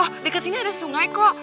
oh deket sini ada sungai kok